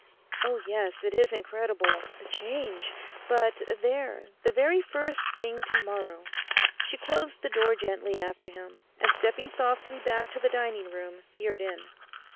Oh yes, it is incredible... the change! But there, the very first thing to morrow.' She closed the door gently after him, and stepping softly back to the dining room, peered in.